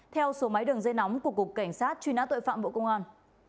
theo số máy đường dây nóng của cục cảnh sát truy nã tội phạm bộ công an